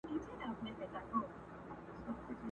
ساقي به وي خُم به لبرېز وي حریفان به نه وي!